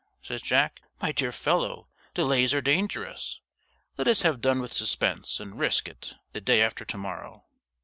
says Jack. "My dear fellow, delays are dangerous. Let us have done with suspense, and risk it, the day after to morrow."